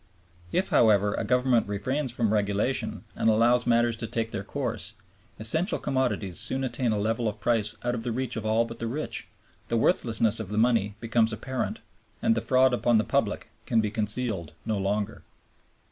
If, however, a government refrains from regulation and allows matters to take their course, essential commodities soon attain a level of price out of the reach of all but the rich, the worthlessness of the money becomes apparent, and the fraud upon the public can be concealed no longer.